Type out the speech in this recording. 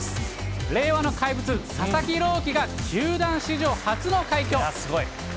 令和の怪物、佐々木朗希が球団史上初の快挙。